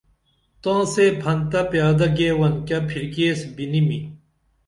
تاں سے پھنتہ پیادہ گیون کیہ پِھرکی ایس بِنِمی